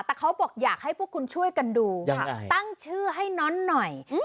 แต่เขาบอกอยากให้พวกคุณช่วยกันดูตั้งชื่อให้น้อนหน่อย